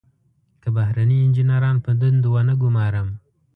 که بهرني انجنیران په دندو ونه ګمارم.